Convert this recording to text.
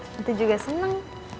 tante juga senang